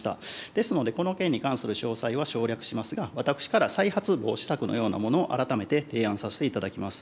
ですので、この件に関する詳細は省略しますが、私から、再発防止策のようなものを改めて提案させていただきます。